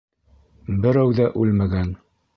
Берәү ҙә үлмәгән!